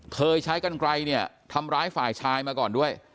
เคยใช้กันไกลเนี่ยทำร้ายฝ่ายชายมาก่อนด้วย